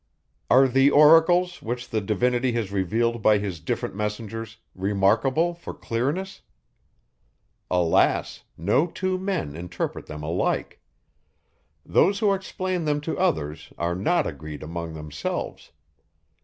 Are the oracles, which the Divinity has revealed by his different messengers, remarkable for clearness? Alas! no two men interpret them alike. Those who explain them to others are not agreed among themselves.